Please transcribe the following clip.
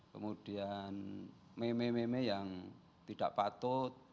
kemudian meme meme yang tidak patut